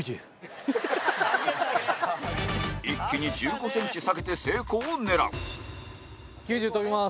一気に１５ｃｍ下げて成功を狙う西田：９０、跳びます。